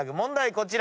こちら。